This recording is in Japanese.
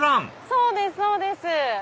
そうですそうです。